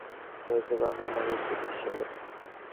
মোর লাগি করিয়ো না শোক, আমার রয়েছে কর্ম, আমার রয়েছে বিশ্বলোক।